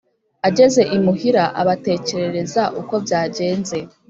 Ageze imuhira abatekerereza uko byagenze,